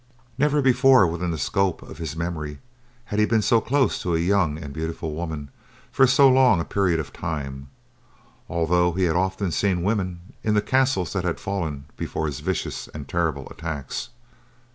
Never before, within the scope of his memory, had he been so close to a young and beautiful woman for so long a period of time, although he had often seen women in the castles that had fallen before his vicious and terrible attacks.